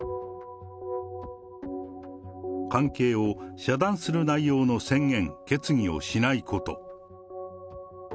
関係を遮断する内容の宣言・決議をしないこと。